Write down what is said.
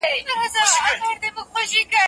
زه هره ورځ سندري اورم؟!